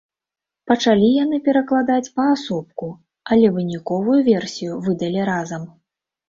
Пачалі яны перакладаць паасобку, але выніковую версію выдалі разам.